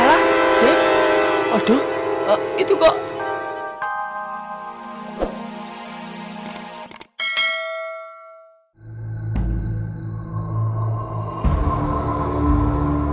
aduh itu kok